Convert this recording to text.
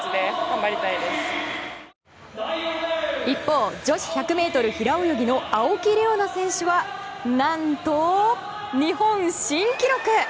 一方女子１００ｍ平泳ぎの青木玲緒樹選手は何と日本新記録！